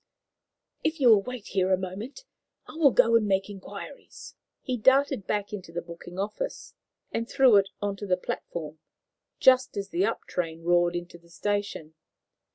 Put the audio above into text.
"If you will wait here a moment, I will go and make inquiries." He darted back into the booking office and through it on to the platform, just as the up train roared into the station.